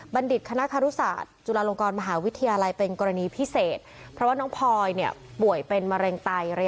บรรดิทธิ์คณครุศาสตร์